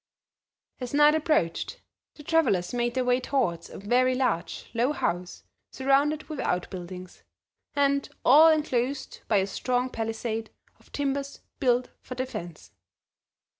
As night approached, the travelers made their way towards a very large, low house surrounded with outbuildings, and all enclosed by a strong palisade of timbers built for defense.